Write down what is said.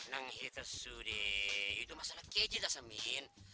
nang hitah suh deh itu masalah keji cezamin